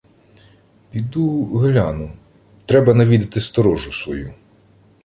— Піду гляну... Треба навідати сторожу свою.